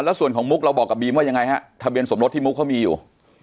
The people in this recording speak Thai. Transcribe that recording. แล้วส่วนของมุกเราบอกกับบีมว่ายังไงฮะทะเบียนสมรสที่มุกเขามีอยู่